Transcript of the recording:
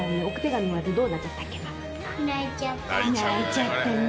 泣いちゃったね。